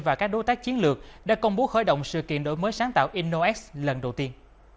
và các đối tác chiến lược đã công bố khởi động sự kiện đổi mới sáng tạo innox lần đầu tiên